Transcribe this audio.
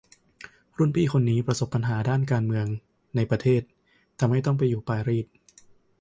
รุ่นพี่คนนี้ประสบปัญหาด้านการเมืองในประเทศทำให้ต้องไปอยู่ปารีส